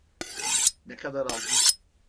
Ne kadar aldın?